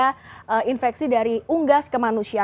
ini juga pernah terinfeksi dari unggas ke manusia